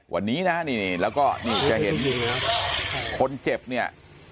วันนี้นะนี่แล้วก็นี่จะเห็นคนเจ็บเนี่ย